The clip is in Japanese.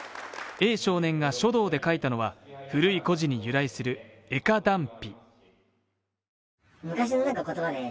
Ａ少年が書道で書いたのは、古い故事に由来する慧可断臂。